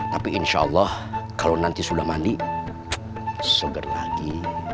tapi insya allah kalau nanti sudah mandi seger lagi